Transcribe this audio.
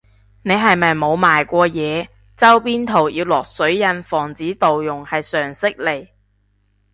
你係咪冇賣過嘢，周邊圖要落水印防止盜用係常識嚟